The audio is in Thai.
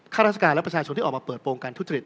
ข้าราชการและประชาชนที่ออกมาเปิดโปรงการทุจริต